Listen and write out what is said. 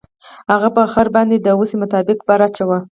هغه په خر باندې د وسې مطابق بار اچاوه.